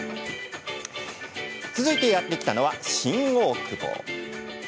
続いて、やって来たのは新大久保。